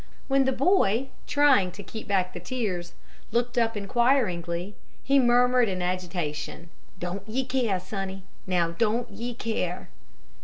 When the boy, trying to keep back the tears, looked up inquiringly, he murmured, in agitation: "Don't ye care, sonny! Now don't ye care!"